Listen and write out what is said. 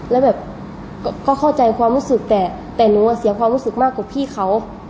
แล้วแบบก็เข้าใจความรู้สึกแต่หนูเสียความรู้สึกมากกว่าพี่เขา